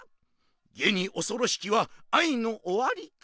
げにおそろしきは愛の終わりか？